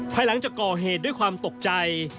ภายหลังจากก่อเหตุด้วยความตกใจ